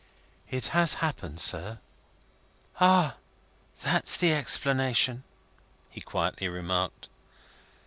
"It has happened, sir." "Ah! That is the explanation!" he quietly remarked.